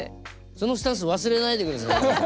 そのスタンス忘れないでくださいね。